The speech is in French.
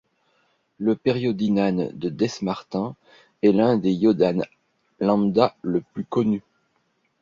Le periodinane de Dess-Martin est l'un des iodanes λ le plus connu.